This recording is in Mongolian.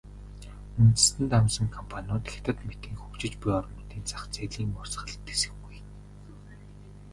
Үндэстэн дамнасан компаниуд Хятад мэтийн хөгжиж буй орнуудын зах зээлийн урсгалд тэсэхгүй.